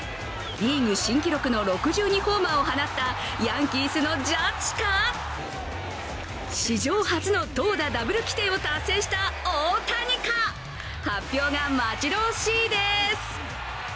リーグ新記録の６２ホーマーを放ったヤンキースのジャッジか史上初の投打ダブル規定を達成した大谷か発表が待ち遠しいです。